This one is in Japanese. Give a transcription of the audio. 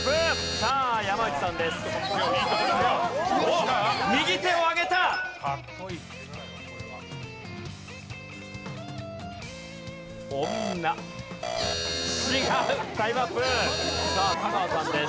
さあ香川さんです。